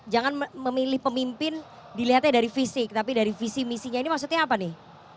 jangan memilih pemimpin dilihatnya dari fisik tapi dari visi misinya ini maksudnya apa nih